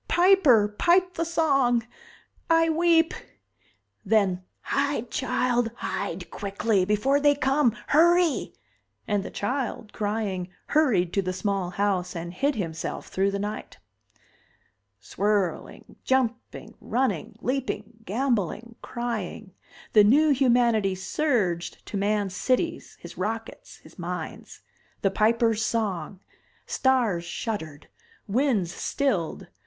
Piper, pipe the song! I weep!" Then: "Hide, child, hide quickly! Before they come! Hurry!" And the child, crying, hurried to the small house and hid himself thru the night. Swirling, jumping, running, leaping, gamboling, crying the new humanity surged to man's cities, his rockets, his mines. The Piper's song! Stars shuddered. Winds stilled.